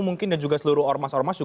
mungkin dan juga seluruh ormas ormas